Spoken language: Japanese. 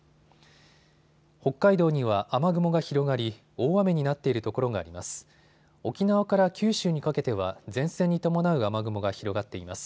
北海道には雨雲が広がり、大雨になっているところがあります。